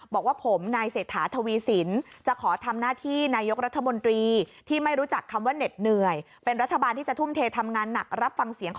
บอกว่าผมนายเสถาทวีสินจะขอทำหน้าที่นายกรัฐมนตรี